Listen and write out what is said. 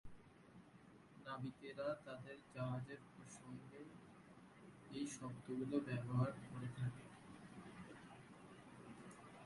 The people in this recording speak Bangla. নাবিকেরা তাদের জাহাজের প্রসঙ্গে এই শব্দগুলো ব্যবহার করে থাকে।